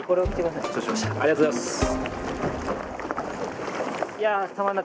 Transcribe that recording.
ありがとうございます。